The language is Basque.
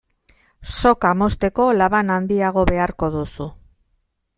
Soka mozteko laban handiago beharko duzu.